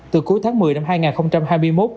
từ cuối tháng một mươi năm hai nghìn hai mươi một